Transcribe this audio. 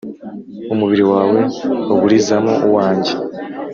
Umubiri wawe uburizamo uwanjye